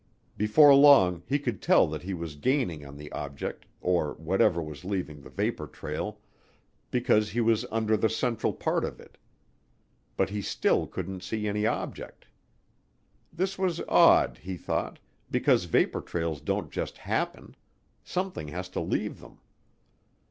Before long he could tell that he was gaining on the object, or whatever was leaving the vapor trail, because he was under the central part of it. But he still couldn't see any object. This was odd, he thought, because vapor trails don't just happen; something has to leave them.